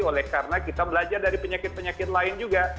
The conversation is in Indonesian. oleh karena kita belajar dari penyakit penyakit lain juga